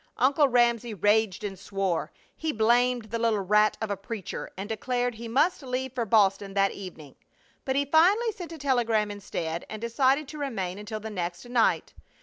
Uncle Ramsey raged and swore. He blamed the little rat of a preacher, and declared he must leave for Boston that evening; but he finally sent a telegram instead and decided to remain until the next night.